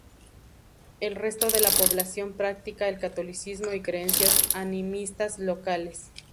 El resto de la población practica el catolicismo y creencias animistas locales.